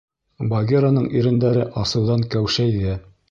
Багираның ирендәре асыуҙан кәүшәйҙе.